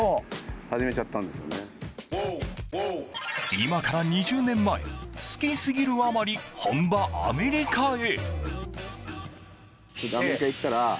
今から２０年前好きすぎるあまり本場アメリカへ。